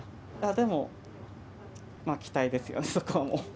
でも、期待ですよね、そこはもう。